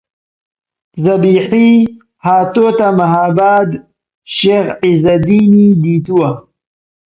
زەبیحی هاتۆتە مەهاباد شێخ عیززەدینی دیتووە